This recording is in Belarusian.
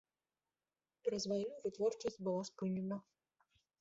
Праз вайну вытворчасць была спынена.